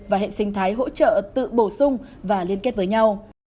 và hệ sinh thái hỗ trợ tự bổ sung và liên kết với nhau